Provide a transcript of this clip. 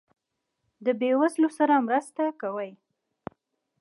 د بې وزلو سره مرسته کوئ؟